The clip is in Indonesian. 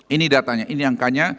ini datanya ini angkanya